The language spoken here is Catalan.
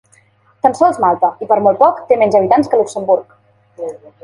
Tan sols Malta, i per molt poc, té menys habitants que Luxemburg.